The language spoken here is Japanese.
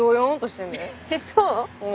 そう？